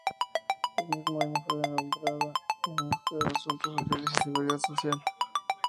El mismo año fue nombrada Ministra de Asuntos Sociales y Seguridad Social.